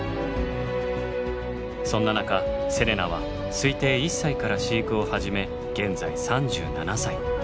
そんな中セレナは推定１歳から飼育を始め現在３７歳。